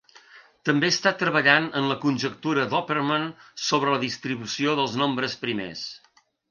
També està treballant en la conjectura d'Oppermann sobre la distribució dels nombres primers.